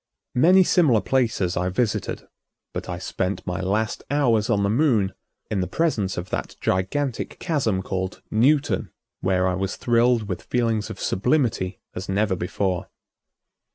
Many similar places I visited, but I spent my last hours on the Moon in the presence of that gigantic chasm called Newton, where I was thrilled with feelings of sublimity as never before.